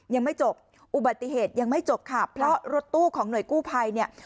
ยังไม่จบอุบัติเหตุยังไม่จบค่ะเพราะรถตู้ของหน่วยกู้ภัยเนี่ย